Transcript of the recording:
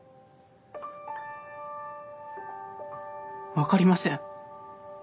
分かりません。